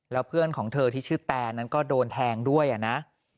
แล้วเพื่อนของเธอที่ชื่อแตนนั้นก็โดนแทงด้วยนะ